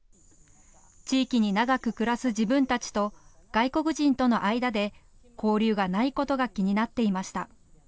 地域に長く暮らす自分たちと外国人との間で交流がないことが気になっていました。